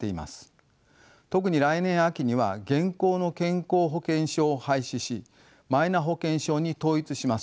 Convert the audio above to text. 特に来年秋には現行の健康保険証を廃止しマイナ保険証に統一します。